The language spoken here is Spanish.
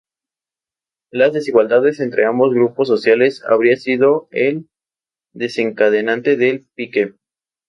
Las desigualdades entre ambos grupos sociales habría sido el desencadenante del pique.